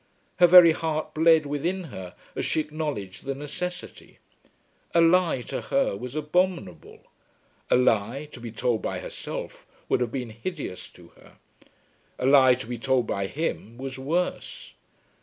Her very heart bled within her as she acknowledged the necessity. A lie to her was abominable. A lie, to be told by herself, would have been hideous to her. A lie to be told by him, was worse.